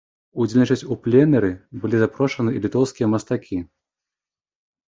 Удзельнічаць у пленэры былі запрошаны і літоўскія мастакі.